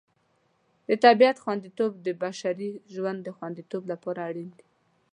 د طبیعت خوندیتوب د بشري ژوند د خوندیتوب لپاره اړین دی.